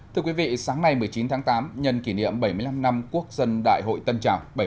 thưa quý vị sáng nay một mươi chín tháng tám nhân kỷ niệm bảy mươi năm năm quốc dân đại hội tân trào